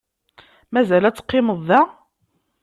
Mazal ad teqqimeḍ da?